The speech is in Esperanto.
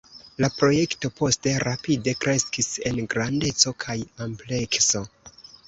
La projekto poste rapide kreskis en grandeco kaj amplekso.